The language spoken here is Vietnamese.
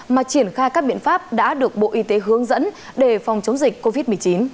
mà triển khai các biện pháp đã được bộ y tế hướng dẫn để phòng chống dịch covid một mươi chín